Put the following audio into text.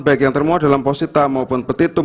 baik yang termuat dalam posita maupun petitum